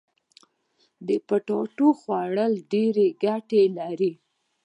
د پټاټو خوړل ډيري ګټي لري.